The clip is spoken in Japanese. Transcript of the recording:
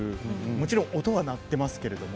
もちろん音はなってますけれども。